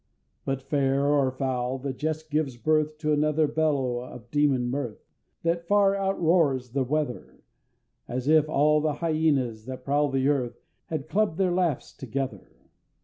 But fair or foul the jest gives birth To another bellow of demon mirth, That far outroars the weather, As if all the Hyænas that prowl the earth Had clubb'd their laughs together!